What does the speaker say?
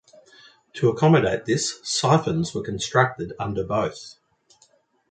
To accommodate this, syphons were constructed under both.